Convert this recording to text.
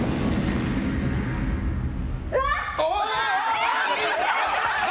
うわっ！